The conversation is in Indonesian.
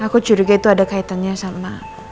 aku curiga itu ada kaitannya sama